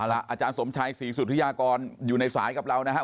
อาจารย์สมชัยศรีสุธิยากรอยู่ในสายกับเรานะครับ